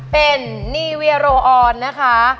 เป็นนีเวียโรอออนนะคะ